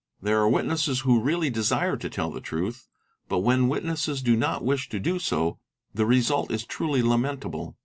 There are witnesses who really 4 desire to tell the truth, but when witnesses do not wish to do so the result i is truly lamentable.